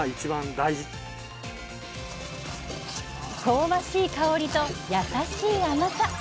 香ばしい香りとやさしい甘さ。